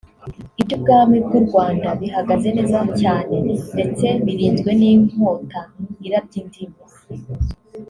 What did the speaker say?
iby’ubwami bw’u Rwanda bihagaze neza cyane ndetse birinzwe n’inkota irabya indimi